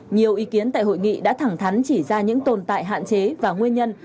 nhiều ý kiến tại hội nghị đã thẳng thắn chỉ ra những tồn tại hạn chế và nguyên nhân